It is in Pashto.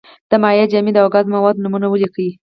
د مایع، جامد او ګاز موادو نومونه ولیکئ.